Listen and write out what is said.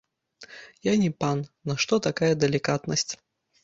Я не пан, нашто такая далікатнасць?